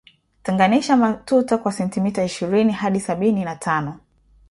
Tenganisha matuta kwa sentimita sitini hadi sabini na tano